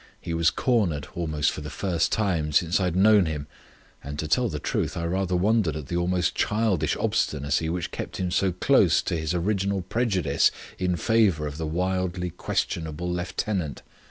He was cornered almost for the first time since I had known him; and to tell the truth I rather wondered at the almost childish obstinacy which kept him so close to his original prejudice in favour of the wildly questionable lieutenant.